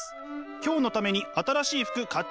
「今日のために新しい服買っちゃった。